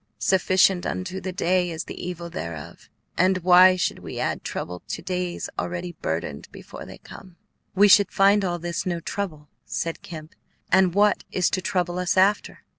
'Sufficient unto the day is the evil thereof;' and why should we add trouble to days already burdened before they come?" "We should find all this no trouble," said Kemp; "and what is to trouble us after?